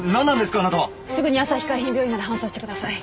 すぐにあさひ海浜病院まで搬送してください。